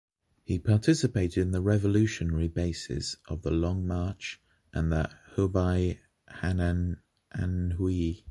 He participated in the revolutionary bases of the Long March and the Hubei-Henan-Anhui.